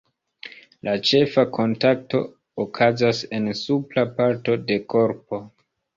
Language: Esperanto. La ĉefa kontakto okazas en supra parto de korpo.